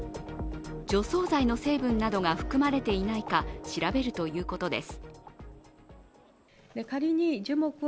除草剤の成分などが含まれていないか調べるということです。